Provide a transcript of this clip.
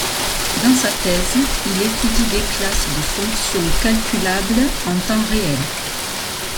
Dans sa thèse, il étudie des classes de fonctions calculables en temps réel.